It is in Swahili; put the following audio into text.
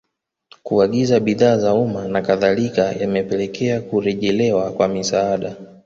Kuagiza bidhaa za umma na kadhalika yamepelekea kurejelewa kwa misaada